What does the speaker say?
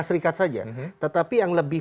serikat saja tetapi yang lebih